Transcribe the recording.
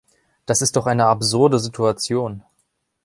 Das ist doch eine absurde Situation!